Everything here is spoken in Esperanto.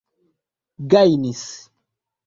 gajnis